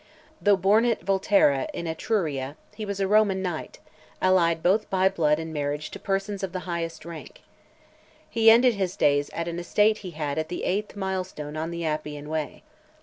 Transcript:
Though born at Volterra, in Etruria, he was a Roman knight, allied both by blood and marriage to persons of the highest rank . He ended his days at an estate he had at the eighth milestone on the Appian Way.